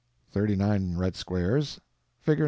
thirty nine _red _squares. (Fig.